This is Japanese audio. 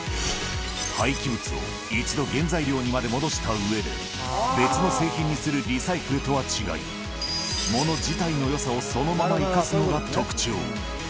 廃棄物を一度原材料にまで戻したうえで、別の製品にするリサイクルとは違い、もの自体のよさをそのまま生かすのが特徴。